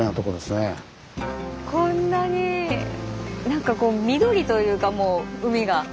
こんなになんかこう緑というかもう海が。